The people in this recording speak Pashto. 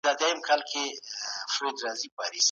فرهنګ په ساتنه او روزنه کي اساسي رول لوبولی